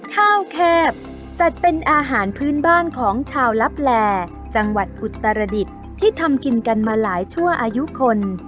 ข้าวแคบจัดเป็นอาหารพื้นบ้านของชาวลับแลจังหวัดอุตรดิษฐ์ที่ทำกินกันมาหลายชั่วอายุคน